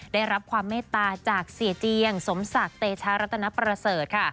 ได้รับความเมตตาจากเสียเจียงสมศักดิ์เตชารัตนประเสริฐค่ะ